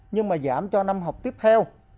nhưng mà giảm cho năm học tiếp theo